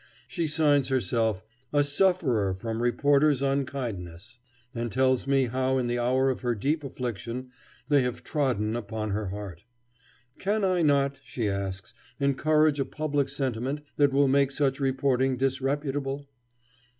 She signs herself "a sufferer from reporters' unkindness," and tells me how in the hour of her deep affliction they have trodden upon her heart. Can I not, she asks, encourage a public sentiment that will make such reporting disreputable?